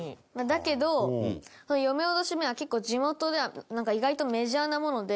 だけどその嫁おどし面は結構地元では意外とメジャーなもので。